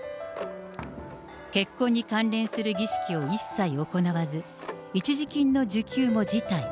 結婚に関連する儀式を一切行わず、一時金の需給も辞退。